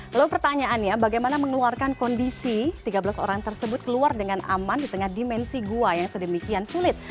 lalu pertanyaannya bagaimana mengeluarkan kondisi tiga belas orang tersebut keluar dengan aman di tengah dimensi gua yang sedemikian sulit